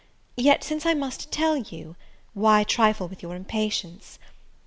Yet since I must tell you, why trifle with your impatience?